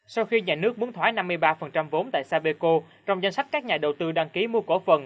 sau khi nhà nước muốn thoái năm mươi ba vốn tại sapeco trong danh sách các nhà đầu tư đăng ký mua cổ phần